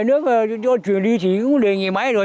thế bây giờ đề nghị nhà nước cho chuyển đi thì cũng đề nghị máy rồi